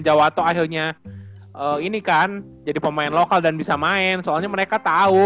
jawato akhirnya ini kan jadi pemain lokal dan bisa main soalnya mereka tahu